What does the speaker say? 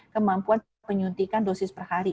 kemampuan penyuntikan dosis per hari